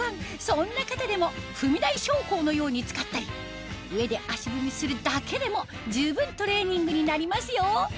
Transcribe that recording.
そんな方でも踏み台昇降のように使ったり上で足踏みするだけでも十分トレーニングになりますよ